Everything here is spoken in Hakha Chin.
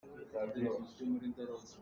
Ka caw le na caw an i dang.